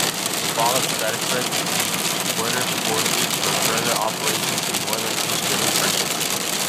The fall of Strasbourg freed Werder's forces for further operations in northeastern France.